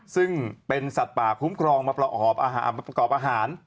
ซึ่งเป็นสัตว์ป่าคุ้มครองมาประอบอาหาร